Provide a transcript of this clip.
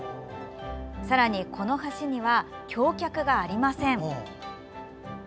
さらに、この橋には橋脚がありません。